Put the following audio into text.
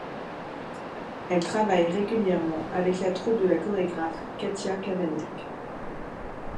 Elle travaille régulièrement avec la troupe de la chorégraphe Katja Cavagnac.